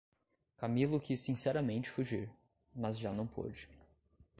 Camilo quis sinceramente fugir, mas já não pôde.